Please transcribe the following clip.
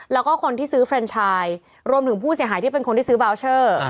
แล้วก็คนที่ซื้อเฟรนชายรวมถึงผู้เสียหายที่เป็นคนที่ซื้อบาวเชอร์